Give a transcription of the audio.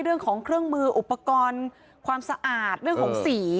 เรื่องของเครื่องมืออุปกรณ์ความสะอาดเรื่องของสี